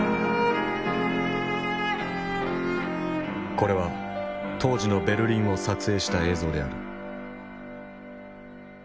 これは当時のベルリンを撮影した映像である。